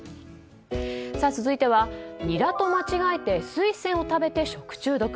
続いては、ニラと間違えてスイセンを食べて食中毒。